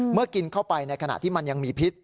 เมื่อกินเข้าไปในขณะที่มันยังมีพิษ